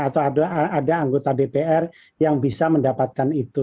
atau ada anggota dpr yang bisa mendapatkan itu